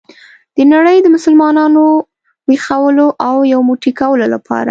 د نړۍ د مسلمانانو ویښولو او یو موټی کولو لپاره.